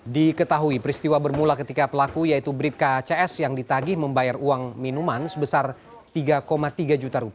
di ketahui peristiwa bermula ketika pelaku yaitu brib kacs yang ditagih membayar uang minuman sebesar rp tiga tiga juta